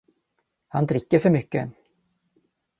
Han dricker för mycket